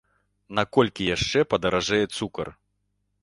На колькі яшчэ падаражэе цукар?